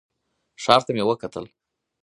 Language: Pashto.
ښار ته مې وکتل.